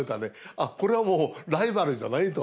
「あっこれはもうライバルじゃない」と。